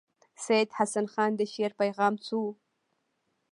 سید حسن خان د شعر پیغام څه وو.